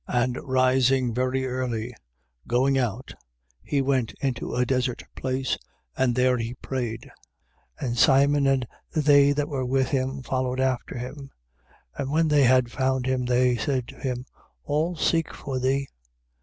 1:35. And rising very early, going out, he went into a desert place: and there he prayed. 1:36. And Simon and they that were with him followed after him. 1:37. And when they had found him, they said to him: All seek for thee.